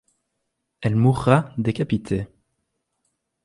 Elle mourra décapitée.